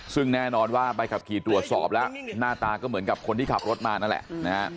ซึ่งแน่นอนว่าใบขับขี่ตรวจสอบแล้วหน้าตาก็เหมือนกับคนที่ขับรถมานั่นแหละนะฮะ